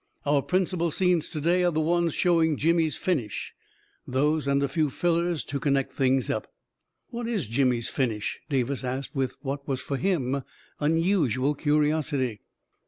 Our principal scenes to day are the ones show ing Jimmy's finish — those and a few fillers to con nect things up." "What is Jimmy's finish?" Davis asked, with what was for him unusual curiosity.